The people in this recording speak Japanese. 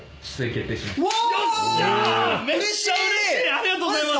ありがとうございます。